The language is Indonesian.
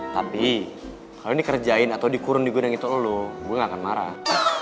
tapi kalo dikerjain atau dikurung di gunung itu dulu gua gak akan marah